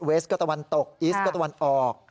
สก็ตะวันตกอีสก็ตะวันออก